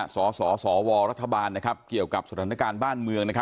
สสวรัฐบาลเกี่ยวกับสถานการณ์บ้านเมือง